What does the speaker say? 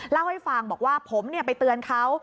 เล่าให้ฟังบอกว่าผมไปเตือนเขา